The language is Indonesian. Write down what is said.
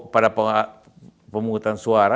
pada pemungutan suara